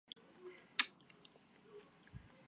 新鳄类是中真鳄类的一个演化支。